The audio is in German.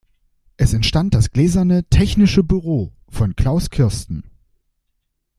Es entstand das gläserne „technische Büro“ von Klaus Kirsten.